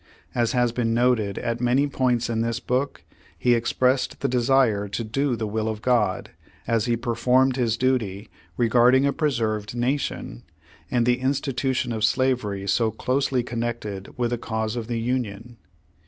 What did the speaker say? As has been noted at many points in this book, he expressed the desire to do the will of God, as he performed his duty regarding a preserved nation, and the institution of slavery so closely connected with the cause of the Union.